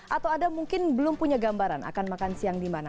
atau ada mungkin belum punya gambaran akan makan siang di mana